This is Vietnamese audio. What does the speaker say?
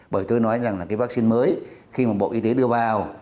bởi tôi nói rằng là cái vaccine mới khi mà bộ y tế đưa vào